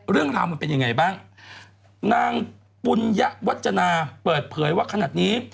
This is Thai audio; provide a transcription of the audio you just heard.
เรื่องราวมันเป็นยังไงบ้างนางปุญยะวัจจนาเปิดเผยว่าขนาดนี้